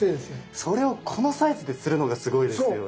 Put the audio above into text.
それをこのサイズでするのがすごいですよね。